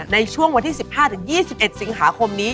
ในช่วงวันที่๑๕๒๑สิงหาคมนี้